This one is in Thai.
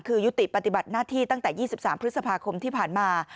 คือยุติปฏิบัติหน้าที่ตั้งแต่๒๓พฤษภาคมที่ผ่านมา